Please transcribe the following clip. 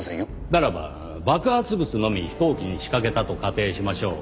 ならば爆発物のみ飛行機に仕掛けたと仮定しましょう。